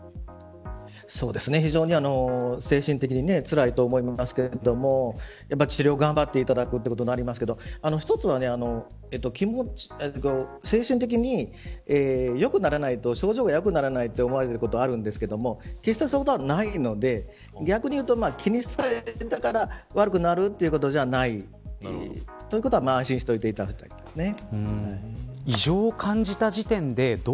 非常に精神的につらいと思いますけれども治療を頑張っていただくということになりますけど一つは精神的に症状が良くならないと思うこともあるんですけど決してそんなことはないので逆に、気にされてたから悪くなるということじゃないということは安心しておいていただきたいですね。